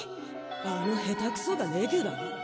あの下手くそがレギュラー？